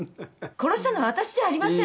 殺したのはあたしじゃありません！